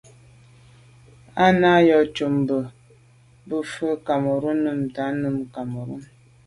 À nɑ̀’ yǎ cûp bú mbə̌ bū fâ’ bû nə̀tɑ́ nǔm Cameroun.